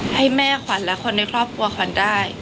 ให้แม่ขวัญและคนในครอบครัวขวัญได้